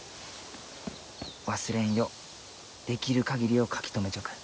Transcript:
忘れんようできる限りを書き留めちょく。